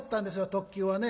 特急はね。